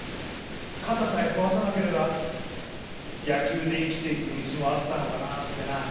肩さえ壊さなければ野球で生きていく道もあったのかなってな。